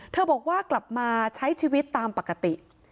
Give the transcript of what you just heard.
บอกว่ากลับมาใช้ชีวิตตามปกติ